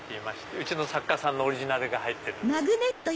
うちの作家さんのオリジナルが入ってるんです。